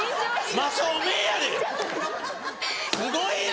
すごいな！